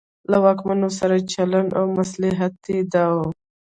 له واکمنو سره چلن او مصلحت یې دا و.